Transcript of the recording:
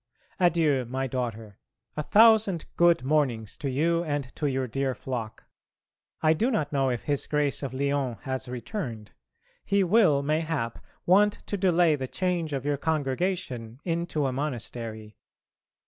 Adieu, my daughter, a thousand good mornings to you and to your dear flock. I do not know if his Grace of Lyons has returned: he will mayhap want to delay the change of your congregation into a monastery.